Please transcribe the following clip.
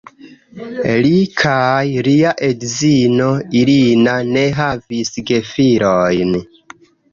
Li kaj lia edzino "Irina" ne havis gefilojn.